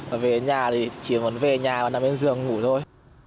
và về nhà thì chỉ muốn về nhà và nằm bên giường ngủ thôi